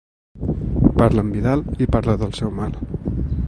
Parla en Vidal i parla del seu mal.